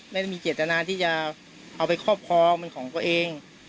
ไม่ได้มีเจตนาที่จะเอาไปครอบครองเป็นของตัวเอง